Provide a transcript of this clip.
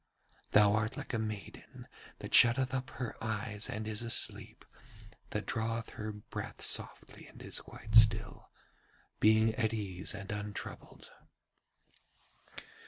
Thou art like a maiden that shutteth up her eyes and is asleep, that draweth her breath softly and is quite still, being at ease and untroubled.